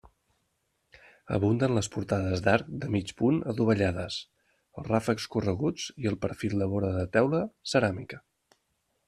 Abunden les portades d'arc de mig punt adovellades, els ràfecs correguts i el perfil de vora de teula ceràmica.